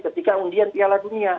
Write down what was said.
ketika undian piala dunia